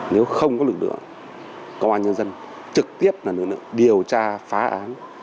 nếu không có lực lượng công an nhân dân trực tiếp là lực lượng điều tra phá án